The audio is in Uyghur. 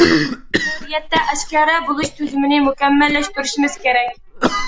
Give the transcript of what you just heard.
مەمۇرىيەتتە ئاشكارا بولۇش تۈزۈمىنى مۇكەممەللەشتۈرۈشىمىز كېرەك.